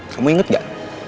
kamu inget gak